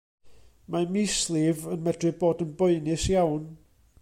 Mae mislif yn medru bod yn boenus iawn.